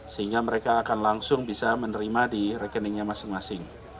sehingga mereka akan langsung bisa menerima di rekeningnya masing masing